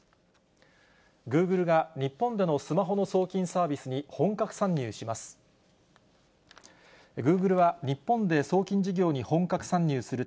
グーグルが、日本でのスマホの送金サービスに本格参入します。